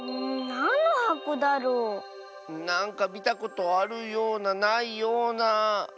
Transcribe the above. なんのはこだろう？なんかみたことあるようなないような。